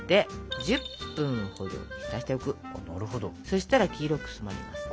そしたら黄色く染まります。